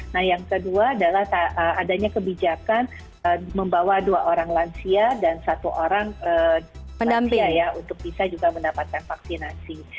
nah yang kedua adalah adanya kebijakan membawa dua orang lansia dan satu orang lansia ya untuk bisa juga mendapatkan vaksinasi